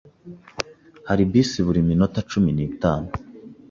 Hari bisi buri minota cumi n'itanu.